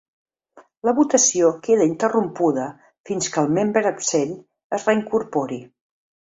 La votació queda interrompuda fins que el membre absent es reincorpori.